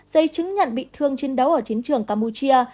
giấy chứng nhận bị thương chiến đấu ở chiến trường campuchia